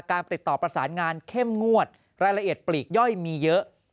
ติดต่อประสานงานเข้มงวดรายละเอียดปลีกย่อยมีเยอะ